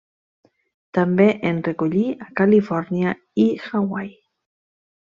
També en recollí a Califòrnia i Hawaii.